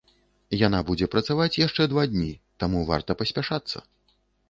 Яна будзе працаваць яшчэ два дні, таму варта паспяшацца.